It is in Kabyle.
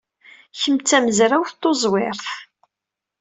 Kemm d tamezrawt tuẓwirt.